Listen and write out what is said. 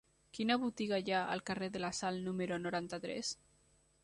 Quina botiga hi ha al carrer de la Sal número noranta-tres?